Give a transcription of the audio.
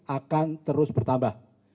akan terus bertambah